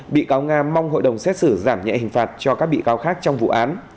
bị cáo nga mong hội đồng xét xử giảm nhẹ hình phạt cho các bị cáo khác trong vụ án